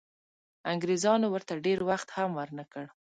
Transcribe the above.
انګریزانو ورته ډېر وخت هم ورنه کړ.